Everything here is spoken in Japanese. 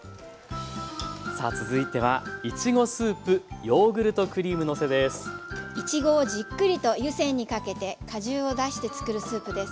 さあ続いてはいちごをじっくりと湯煎にかけて果汁を出してつくるスープです。